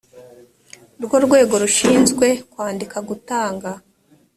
rwo rwego rushinzwe kwandika gutanga